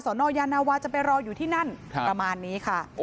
นยานาวาจะไปรออยู่ที่นั่นประมาณนี้ค่ะ